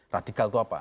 radikal itu apa